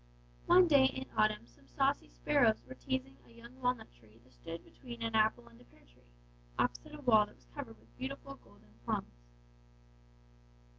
One day in autumn some saucy sparrows were teasing a young walnut tree that stood between an apple and a pear tree, opposite a wall which was covered with beautiful golden plums.